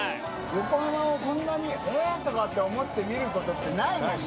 横浜をこんなに「え！」とかって思って見ることってないもんね。